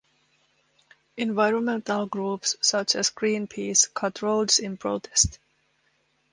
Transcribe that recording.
Environmental groups such as Greenpeace cut roads in protest.